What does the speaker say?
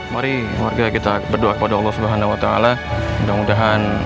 mari warga kita berdoa kepada allah subhanahu wa ta'ala mudah mudahan